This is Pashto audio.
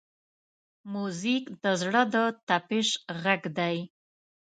موزیک د زړه د طپش غږ دی.